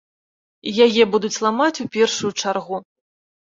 Яе будуць ламаць у першую чаргу.